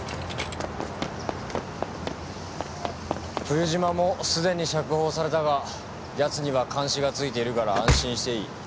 冬島もすでに釈放されたが奴には監視がついているから安心していい。